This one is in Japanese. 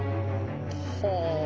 ほう！